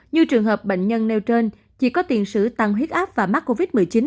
như trường hợp bệnh nhân nêu trên chỉ có tiền sử tăng huyết áp và mắc covid một mươi chín